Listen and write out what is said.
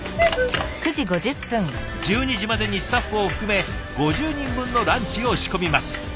１２時までにスタッフを含め５０人分のランチを仕込みます。